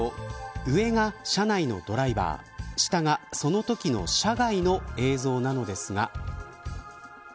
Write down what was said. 上が車内のドライバー下がそのときの車外の映像なのですが。